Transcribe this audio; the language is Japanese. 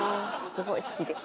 すごい好きです。